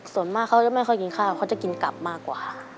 ส่วนมากเขาจะไม่ค่อยกินข้าวเขาจะกินกลับมากกว่าค่ะ